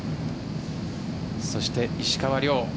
そして石川遼。